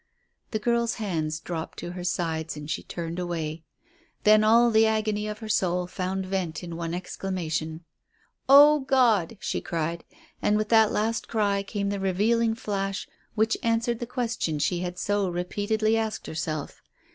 The girl's hands dropped to her sides and she turned away. Then all the agony of her soul found vent in one exclamation. "Oh, God!" she cried. And with that last cry came the revealing flash which answered the question she had so repeatedly asked herself.